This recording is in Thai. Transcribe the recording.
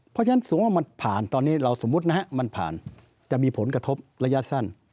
เพราะฉะนั้นสมมุติว่ามันผ่านจะมีผลกระทบระยะสั้น